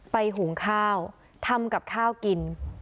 หุงข้าวทำกับข้าวกิน